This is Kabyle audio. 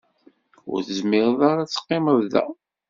Ur tezmireḍ ara ad teqqimeḍ da.